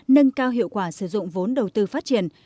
nâng cao hiệu quả sử dụng vốn đầu tư phát triển